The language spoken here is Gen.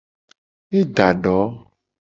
E da do.